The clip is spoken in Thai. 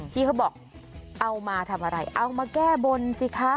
พี่เขาบอกเอามาทำอะไรเอามาแก้บนสิคะ